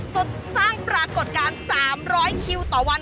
จนสร้างปรากฏการณ์๓๐๐คิวต่อวัน